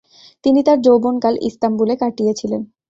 তিনি তার যৌবনকাল ইস্তাম্বুলে কাটিয়েছিলেন।